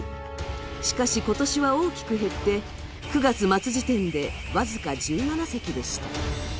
しかし今年は大きく減って、９月末時点で僅か１７隻でした。